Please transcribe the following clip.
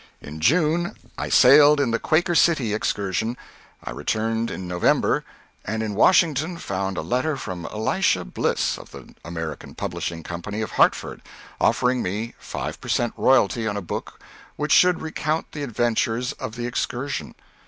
In June I sailed in the Quaker City Excursion. I returned in November, and in Washington found a letter from Elisha Bliss, of the American Publishing Company of Hartford, offering me five per cent. royalty on a book which should recount the adventures of the Excursion.